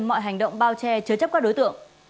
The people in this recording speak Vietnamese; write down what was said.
mọi hành động bao che chứa chấp các đối tượng